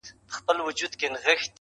o اوس معلومه سوه چي دا سړی پر حق دی,